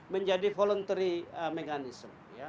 menjadi voluntary mechanism